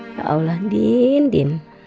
ya allah din